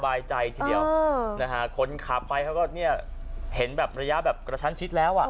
บายใจทีเดียวนะฮะคนขับไปเขาก็เนี่ยเห็นแบบระยะแบบกระชั้นชิดแล้วอ่ะ